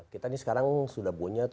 kita ini sekarang sudah punya tujuh ribu